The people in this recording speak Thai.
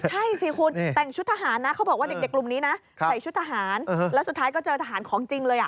ใช่สิคุณแต่งชุดทหารนะเขาบอกว่าเด็กกลุ่มนี้นะใส่ชุดทหารแล้วสุดท้ายก็เจอทหารของจริงเลยอ่ะ